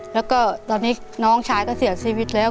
แล้วก็ตอนนี้น้องชายก็เสียชีวิตแล้ว